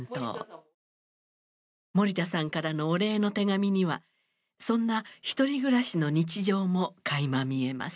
森田さんからのお礼の手紙にはそんな一人暮らしの日常もかいま見えます。